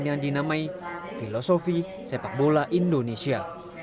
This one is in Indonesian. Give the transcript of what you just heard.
yang dinamai filosofi sepak bola indonesia